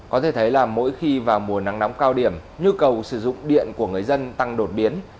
có thể thấy là mỗi khi vào mùa nắng nóng cao điểm nhu cầu sử dụng điện của người dân tăng đột biến